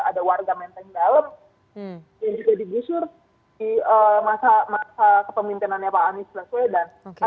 ada warga menteng dalam yang juga digusur di masa kepemimpinannya pak anies baswedan